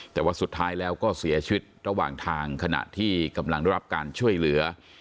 แต่ว่าสุดท้ายแล้วก็เสียชีวิตระหว่างทางขณะที่กำลังได้รับการช่วยเหลือ